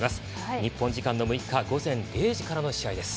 日本時間の６日午前０時からの試合です。